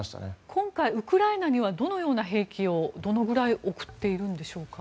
今回、ウクライナにはどのくらいの兵器を送っているんでしょうか？